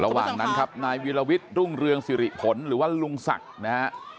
ระหว่างนั้นครับนายวิลวิทย์รุ่งเรืองสิริผลหรือว่าลุงศักดิ์นะฮะ